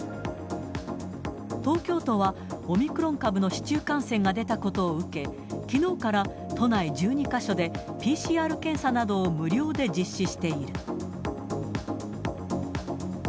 東京都はオミクロン株の市中感染が出たことを受け、きのうから都内１２か所で、ＰＣＲ検査などを無料で実施している。